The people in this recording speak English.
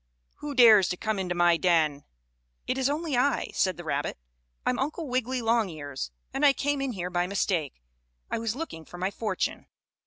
Who dares to come into my den?" "It is only I," said the rabbit. "I'm Uncle Wiggily Longears, and I came in here by mistake. I was looking for my fortune."